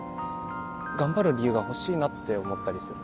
頑張る理由が欲しいなって思ったりする。